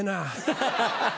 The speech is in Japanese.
ハハハ！